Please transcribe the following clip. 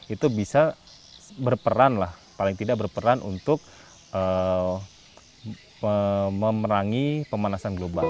itu bisa berperan lah paling tidak berperan untuk memerangi pemanasan global